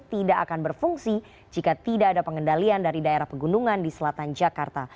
tidak akan berfungsi jika tidak ada pengendalian dari daerah pegunungan di selatan jakarta